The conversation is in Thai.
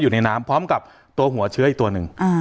อยู่ในน้ำพร้อมกับตัวหัวเชื้ออีกตัวหนึ่ง